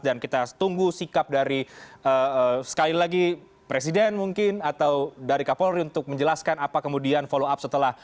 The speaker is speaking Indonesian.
dan kita tunggu sikap dari sekali lagi presiden mungkin atau dari kapolri untuk menjelaskan apa kemudian follow up setelah